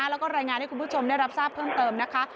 แล้วก็รายงานให้คุณผู้ชมได้รับทราบเพิ่มเติมนะคะ